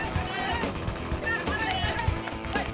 bang jangan keburu tutup